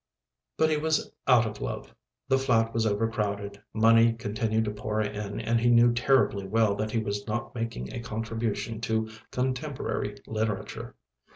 But he was out of love, the flat was overcrowded, money continued to pour in and he knew terribly well that he was not making a contribution to contemporary literature.